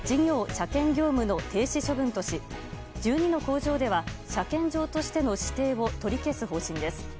・車検業務の停止処分とし１２の工場では車検場としての指定を取り消す方針です。